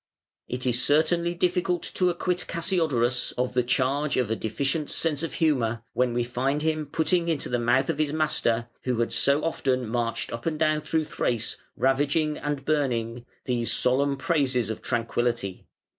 It is certainly difficult to acquit Cassiodorus of the charge of a deficient sense of humour, when we find him putting into the mouth of his master, who had so often marched up and down through Thrace, ravaging and burning, these solemn praises of "Tranquillity".